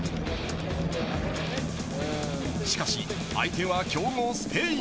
しかし、相手は強豪スペイン。